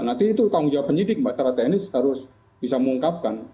nanti itu tanggung jawab penyidik mbak secara teknis harus bisa mengungkapkan